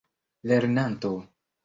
lernanto